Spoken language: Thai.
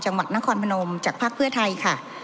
จังหวัดนครพนมจากภักดิ์เพื่อไทยค่ะ